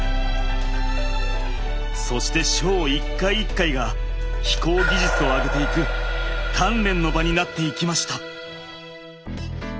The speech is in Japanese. そしてショー１回１回が飛行技術を上げていく鍛錬の場になっていきました。